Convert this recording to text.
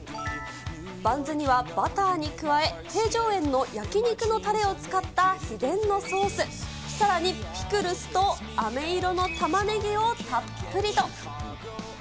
バンズにはバターに加え、平城苑の焼き肉のタレを使った秘伝のソース、さらにピクルスとあめ色の玉ねぎをたっぷりと。